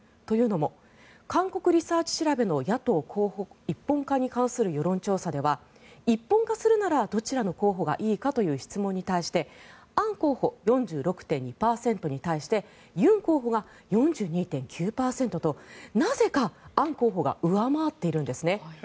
というのも、韓国リサーチ調べの野党候補一本化に対する世論調査では一本化するならどちらの候補がいいか？という質問に対してアン候補は４６．２％に対してユン候補が４２．９％となぜかアン候補が上回っているんですね。